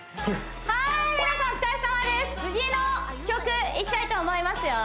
はい皆さんお疲れさまです次の曲いきたいと思いますよ